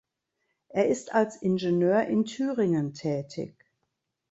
Er ist als Ingenieur in Thüringen tätig.